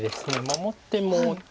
守っても。